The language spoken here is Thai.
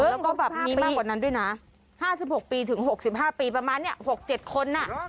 แล้วก็แบบมีมากกว่านั้นด้วยนะห้าสิบหกปีถึงหกสิบห้าปีประมาณเนี้ยหกเจ็ดคนน่ะ